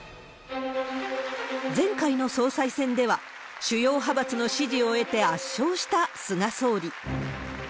前回の総裁選では、主要派閥の支持を得て圧勝した菅総理。